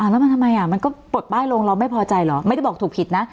แล้วมันทำไมมันก็ปลดป้ายลงเราไม่พอใจเหรอไม่ได้บอกถูกผิดนะ